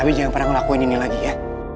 tapi jangan pernah ngelakuin ini lagi ya